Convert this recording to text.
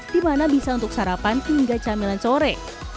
dimana bisa untuk sarapan hingga camilan sore